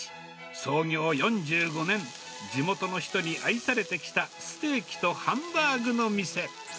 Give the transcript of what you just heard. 創業４５年、地元の人に愛されてきたステーキとハンバーグの店。